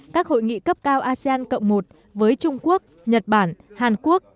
các hội nghị cấp cao asean cộng một với trung quốc nhật bản hàn quốc